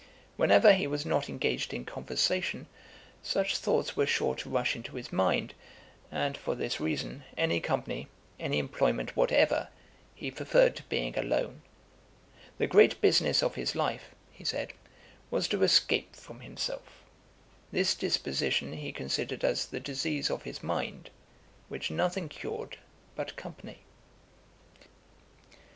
Whenever he was not engaged in conversation, such thoughts were sure to rush into his mind; and, for this reason, any company, any employment whatever, he preferred to being alone. The great business of his life (he said) was to escape from himself; this disposition he considered as the disease of his mind, which nothing cured but company.